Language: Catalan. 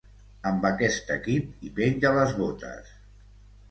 Amb aquest equip hi penja les botes.